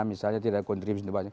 misalnya tidak ada kontribusi